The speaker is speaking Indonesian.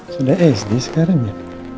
sudah sd sekarang ya